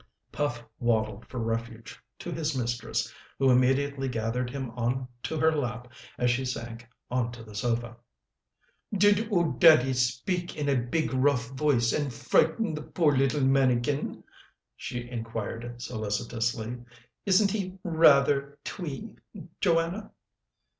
Puff waddled for refuge to his mistress, who immediately gathered him on to her lap as she sank on to the sofa. "Did 'oo daddy speak in a big rough voice, and frighten the poor little manikin?" she inquired solicitously. "Isn't he rather twee, Joanna?"